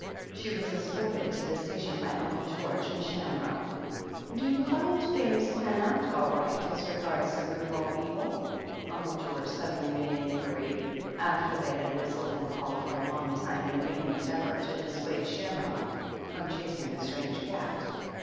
She was escorted to the station by Uncle George and Shamrock. "Do you find things pan out all right, as regards the root of all evil ?" Uncle George suddenly made inquiry, after they had whistled and called for a long time, in a 207 2o8 THE HEEL OF ACHILLES vain endeavour to dissuade Shamrock from chasing a strange cat.